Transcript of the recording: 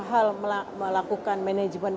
hal melakukan manajemen